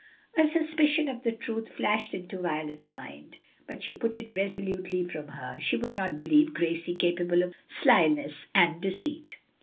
A suspicion of the truth flashed into Violet's mind; but she put it resolutely from her; she would not believe Gracie capable of slyness and deceit.